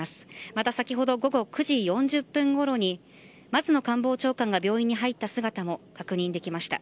また、午後９時４０分ごろに松野官房長官が病院に入った姿も確認できました。